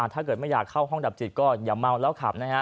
ถ้าเกิดไม่อยากเข้าห้องดับจิตก็อย่าเมาแล้วขับนะฮะ